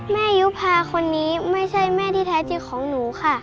ยุภาคนนี้ไม่ใช่แม่ที่แท้จริงของหนูค่ะ